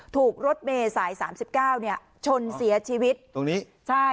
ถูกรถเมย์สายสามสิบเก้าเนี่ยชนเสียชีวิตตรงนี้ใช่